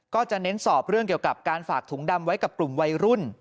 ก็จะเน้นสอบเรื่องเกี่ยวกับการฝากถุงดำไว้กับกลุ่มวัยรุ่น